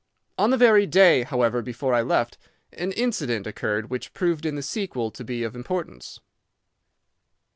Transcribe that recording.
On the very day, however, before I left, an incident occurred which proved in the sequel to be of importance.